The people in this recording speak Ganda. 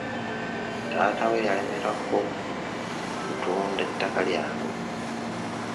Taata we yalemerako ku kutunda ettaka lyabwe.